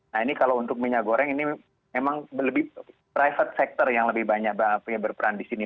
nah ini kalau untuk minyak goreng ini memang lebih private sector yang lebih banyak berperan di sini